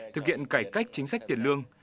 thực hiện cải cách chính sách tiền lương